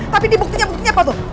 tapi dibuktinya buktinya apa tuh